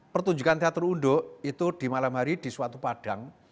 pertunjukan teater unduk itu di malam hari di suatu padang